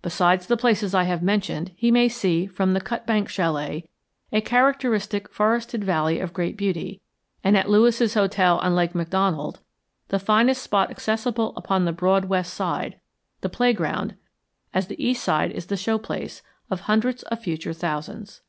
Besides the places I have mentioned he may see, from the Cut Bank Chalet, a characteristic forested valley of great beauty, and at Lewis's hotel on Lake McDonald the finest spot accessible upon the broad west side, the playground, as the east side is the show place, of hundreds of future thousands.